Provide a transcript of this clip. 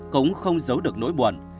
cũng không giấu được nỗi buồn